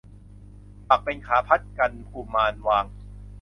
ปักเป็นขาพัดกันกุมารวาง